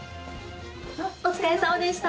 お疲れさまでした。